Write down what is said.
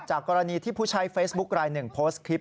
กรณีที่ผู้ใช้เฟซบุ๊คลายหนึ่งโพสต์คลิป